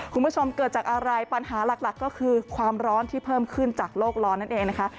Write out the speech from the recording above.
คุณผู้ชมเกิดจากอะไรปัญหาหลักก็คือความร้อนที่เพิ่มขึ้นจากโลกร้อนนั่นเองนะคะ